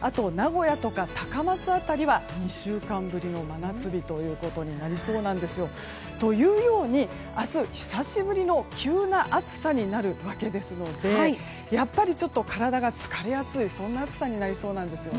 あと名古屋とか高松辺りは２週間ぶりの真夏日となりそうなんですよ。というように、明日は久しぶりの急な暑さになりますのでやっぱり体が疲れやすいそんな暑さになりそうなんです。